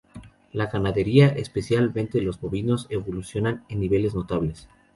La ganadería, especialmente los bovinos, evolucionan en niveles notables.